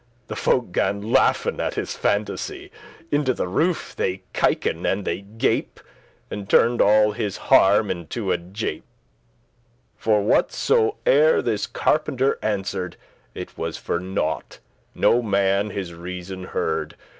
The folk gan laughen at his phantasy. Into the roof they kyken* and they gape, *peep, look. And turned all his harm into a jape*. *jest For whatsoe'er this carpenter answer'd, It was for nought, no man his reason heard.